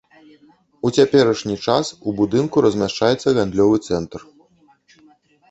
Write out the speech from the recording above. У цяперашні час у будынку размяшчаецца гандлёвы цэнтр.